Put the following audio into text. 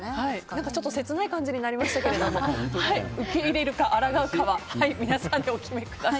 ちょっと切ない感じになりましたけれども受け入れるか抗うかは皆さんでお決めください。